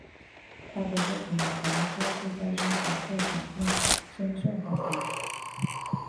她的作品曾多次在日本获奖并深受好评。